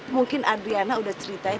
mungkin adriana udah ceritain